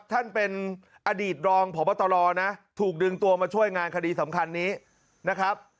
ท่านเป็นอดีตรองพบตรนะถูกดึงตัวมาช่วยงานคดีสำคัญนี้นะครับ